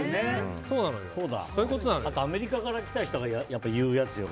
アメリカから来た人が言うやつよ。